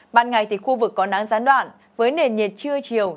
ban ngày thì khu vực có nắng gián đoạn với nền nhiệt trưa chiều